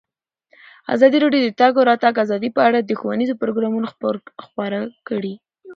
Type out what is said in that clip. ازادي راډیو د د تګ راتګ ازادي په اړه ښوونیز پروګرامونه خپاره کړي.